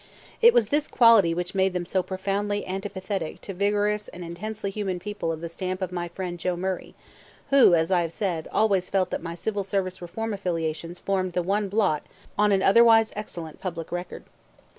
It was this quality which made them so profoundly antipathetic to vigorous and intensely human people of the stamp of my friend Joe Murray who, as I have said, always felt that my Civil Service Reform affiliations formed the one blot on an otherwise excellent public record.